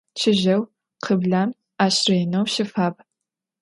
Çıjeu, khıblem, aş rêneu şıfab.